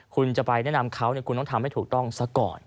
คุณจะไปแนะนำเขาคุณต้องทำให้ถูกต้องซะก่อน